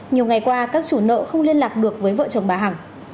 nhiều ngày qua các chủ nợ không liên lạc được với vợ chồng bà hằng